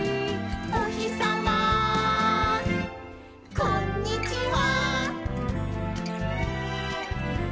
「おひさまこんにちは！」